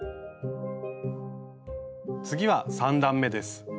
次は３段めです。